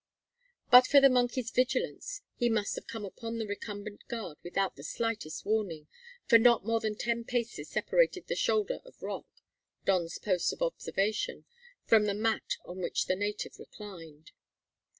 But for the monkey's vigilance he must have come upon the recumbent guard without the slightest warning, for not more than ten paces separated the shoulder of rock Don's post of observation from the mat on which the native reclined.